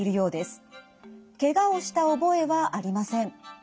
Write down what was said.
ケガをした覚えはありません。